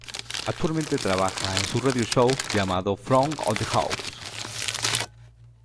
Actualmente trabaja en su Radio Show llamado "Front Of House".